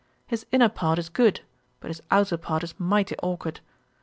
His inner part is good, but his outer part is mighty aukward.